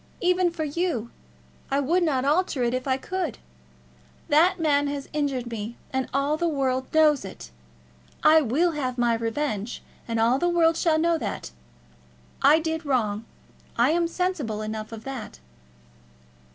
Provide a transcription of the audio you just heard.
Even for you I would not alter it if I could. That man has injured me, and all the world knows it. I will have my revenge, and all the world shall know that. I did wrong; I am sensible enough of that."